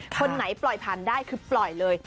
คนไหนปล่อยผ่านได้คือปล่อยเลย